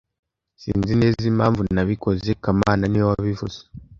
Sinzi neza impamvu nabikoze kamana niwe wabivuze